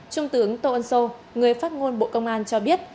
trung tướng tô ân sô người phát ngôn bộ công an cho biết